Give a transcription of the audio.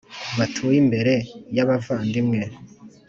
Batuye imbere y abavandimwe